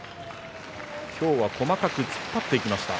今日は細かく突っ張っていきました。